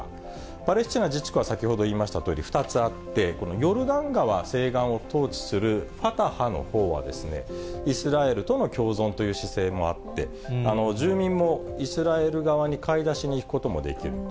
パレスチナ自治区は先ほど言いましたとおり２つあって、このヨルダン川西岸を統治するファタハのほうは、イスラエルとの共存という姿勢もあって、住民もイスラエル側に買い出しに行くこともできる。